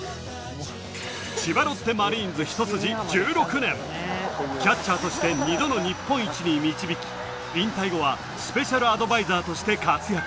千葉ロッテマリーンズ、一筋１６年、キャッチャーとして２度の日本一に導き、引退後はスペシャルアドバイザーとして活躍。